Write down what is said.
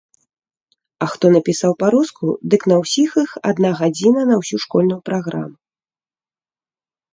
А хто напісаў па-руску, дык на ўсіх іх адна гадзіна на ўсю школьную праграму.